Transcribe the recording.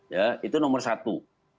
ya itu nomor satu